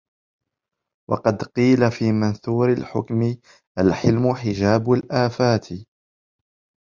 وَقَدْ قِيلَ فِي مَنْثُورِ الْحِكَمِ الْحِلْمُ حِجَابُ الْآفَاتِ